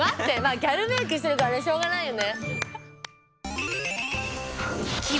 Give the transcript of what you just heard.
ギャルメークしてるからねしょうがないよね。